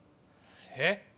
えっ？